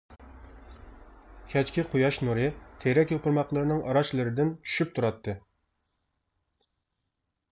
كەچكى قۇياش نۇرى تېرەك يوپۇرماقلىرىنىڭ ئاراچلىرىدىن چۈشۈپ تۇراتتى.